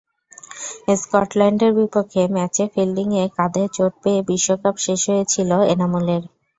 স্কটল্যান্ডের বিপক্ষে ম্যাচে ফিল্ডিংয়ে কাঁধে চোট পেয়ে বিশ্বকাপ শেষ হয়েছিল এনামুলের।